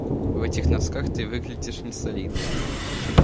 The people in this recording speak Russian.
В этих носках ты выглядишь несолидно.